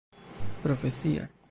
profesia